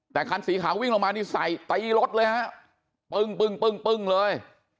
แต่คันสีขาววิ่งลงมานิสัยตายรถเลยพึงเพิ่งเพิ่งเพิ่งเลย